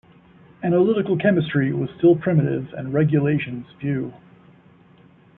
Analytical chemistry was still primitive and regulations few.